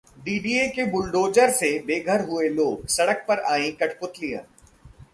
DDA के bulldozer से बेघर हुए लोग, सड़क पर आईं कठपुतलियां